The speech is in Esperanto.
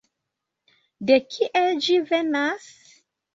De kie ĝi venas?